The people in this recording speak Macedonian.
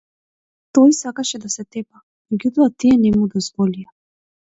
Тој сакаше да се тепа меѓутоа тие не му дозволија.